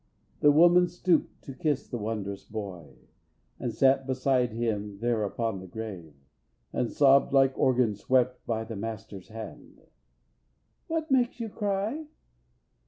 The woman stoopt to kiss the wondrous boy, And sat beside him there upon the grave, And sobbed like organ swept by the master's hand. "What makes you cry?